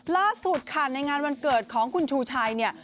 ล่าสุดค่ะในงานวันเกิดของคุณชูชัยเนี่ย